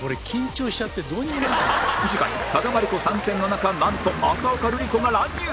次回加賀まりこ参戦の中なんと浅丘ルリ子が乱入！